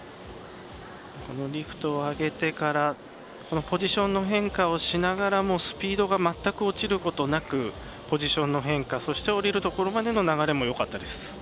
リフトを上げてからポジションの変化をしながらもスピードが全く落ちることなくポジションの変化そして降りるところまでの流れもよかったです。